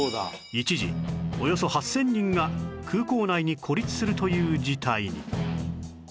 一時およそ８０００人が空港内に孤立するという事態に